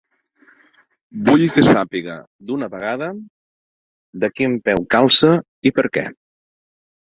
Vull que sàpiga d'una vegada de quin peu calça i per què.